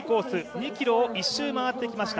２ｋｍを１周回ってきました。